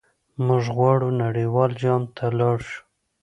موږ غواړو نړیوال جام ته لاړ شو.